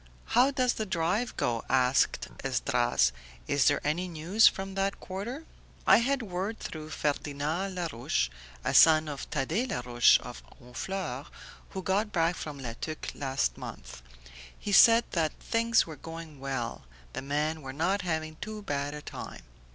"How does the drive go?" asked Esdras. "Is there any news from that quarter?" "I had word through Ferdina Larouche, a son of Thadee Larouche of Honfleur, who got back from La Tuque last month. He said that things were going well; the men were not having too bad a time."